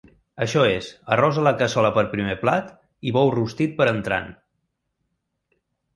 Això és, arròs a la cassola per primer plat i bou rostit per entrant.